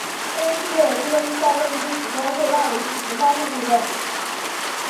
这一系列的地震是夏威夷历史中最大的一起群发性地震。